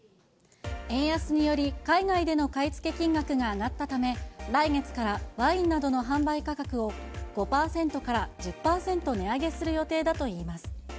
円安により、海外での買い付け金額が上がったため、来月からワインなどの販売価格を、５％から１０％値上げする予定だといいます。